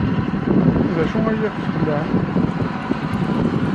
D acu ay aɣ-yesxelɛen?